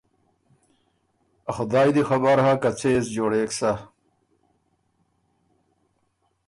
ا خدایٛ دی خبر هۀ که څۀ يې سو جوړېک سۀ۔